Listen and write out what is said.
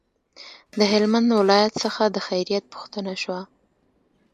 د هلمند ولایت څخه د خیریت پوښتنه شوه.